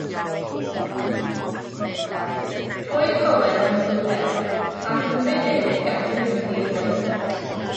Rhoed coler am wddw Pero, a rhwymwyd ef wrth gadwyn yn ddi-oed.